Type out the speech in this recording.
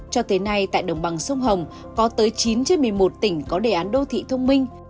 cho tới nay tại đồng bằng sông hồng có tới chín trên một mươi một tỉnh có đề án đô thị thông minh